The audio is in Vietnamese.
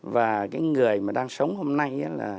và cái người mà đang sống hôm nay